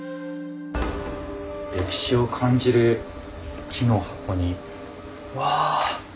歴史を感じる木の箱にわあ！